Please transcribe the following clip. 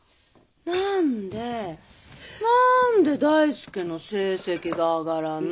何でなんで大介の成績が上がらんのいな？